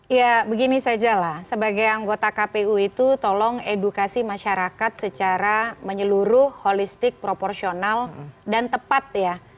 ya begini saja lah sebagai anggota kpu itu tolong edukasi masyarakat secara menyeluruh holistik proporsional dan tepat ya